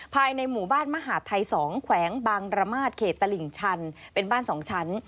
ภายในหมู่บ้านมหาดไทย๒แขวงบางระมาทเขตตลิ่งชันเป็นบ้าน๒ชั้น